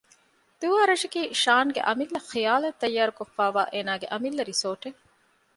ދުވާރަށަކީ ޝާންގެ އަމިއްލަ ޚިޔާލަކަށް ތައްޔާރުކޮށްފައިވާ އޭނާގެ އަމިއްލަ ރިސޯރޓެއް